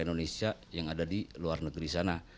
indonesia yang ada di luar negeri sana